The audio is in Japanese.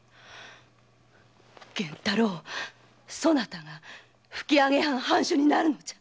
源太郎そなたが吹上藩・藩主になるのじゃ。